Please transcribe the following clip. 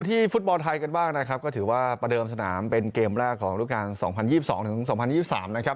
ที่ฟุตบอลไทยกันบ้างนะครับก็ถือว่าประเดิมสนามเป็นเกมแรกของรูปการ๒๐๒๒ถึง๒๐๒๓นะครับ